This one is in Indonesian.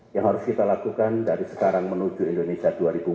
yang harus kita lakukan dari sekarang menuju indonesia dua ribu empat puluh